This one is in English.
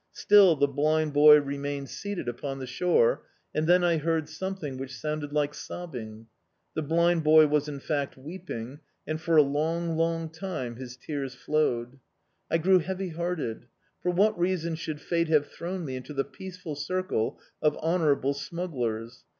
Still the blind boy remained seated upon the shore, and then I heard something which sounded like sobbing. The blind boy was, in fact, weeping, and for a long, long time his tears flowed... I grew heavy hearted. For what reason should fate have thrown me into the peaceful circle of honourable smugglers?